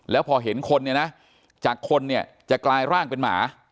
แล้วพอเห็นคนเนี่ยนะจากคนเนี่ยจะกลายร่างเป็นหมา